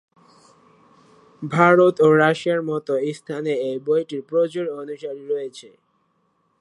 ভারত ও রাশিয়ার মত স্থানে এই বইটির প্রচুর অনুসারী রয়েছে।